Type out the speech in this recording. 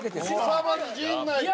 さあまず陣内から。